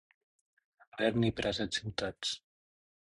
Haver-n'hi per a set ciutats.